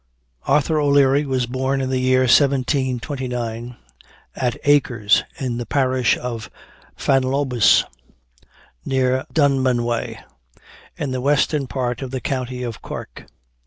Arthur O'Leary was born in the year 1729, at Acres in the parish of Fanlobbus, near Dunmanway, in the western part of the County of Cork.